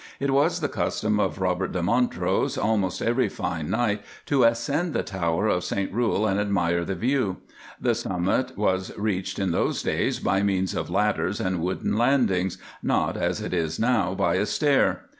It was the custom of Robert de Montrose almost every fine night to ascend the tower of St Rule and admire the view. The summit was reached in those days by means of ladders and wooden landings—not, as it is now, by a stair.